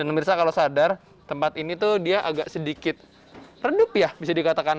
mirsa kalau sadar tempat ini tuh dia agak sedikit redup ya bisa dikatakan